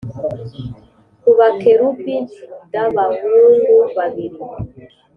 ku bakerubi d Abahungu babiri